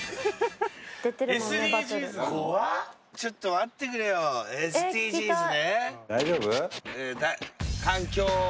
ちょっと待ってくれよＳＤＧｓで？